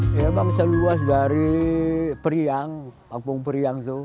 memang seluas dari periang kampung periang itu